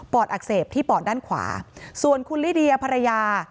อดอักเสบที่ปอดด้านขวาส่วนคุณลิเดียภรรยา